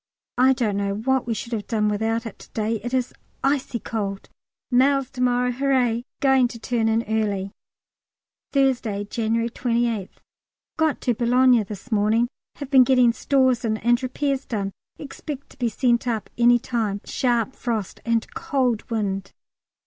I don't know what we should have done without it to day; it is icy cold. Mails to morrow, hurrah! Going to turn in early. Thursday, January 28th. Got to Boulogne this morning. Have been getting stores in and repairs done; expect to be sent up any time. Sharp frost and cold wind.